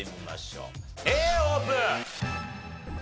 Ａオープン！